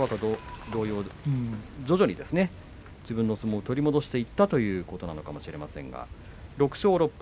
徐々に自分の相撲を取り戻していったのかもしれません６勝６敗。